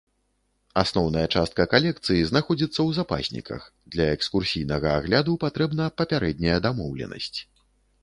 Асноўная частка калекцыі знаходзіцца ў запасніках, для экскурсійнага агляду патрэбна папярэдняя дамоўленасць.